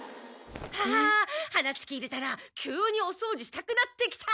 あ話聞いてたら急におそうじしたくなってきた。